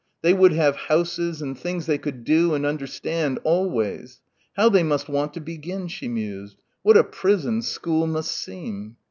They would have houses and things they could do and understand, always.... How they must want to begin, she mused.... What a prison school must seem.